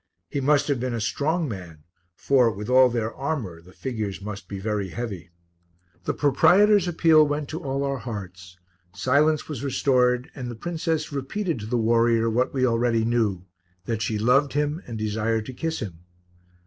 He must have been a strong man, for, with all their armour, the figures must be very heavy. The proprietor's appeal went to all our hearts; silence was restored and the princess repeated to the warrior what we already knew that she loved him and desired to kiss him.